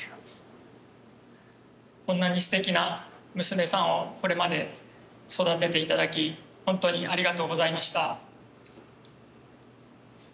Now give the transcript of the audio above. こんなにステキな娘さんをこれまで育てて頂き本当にありがとうございました。